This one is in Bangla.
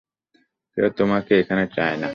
কেউ তোমাকে এখানে চায় না।